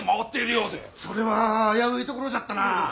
それは危ういところじゃったな。